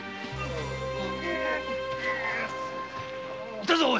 いたぞおい！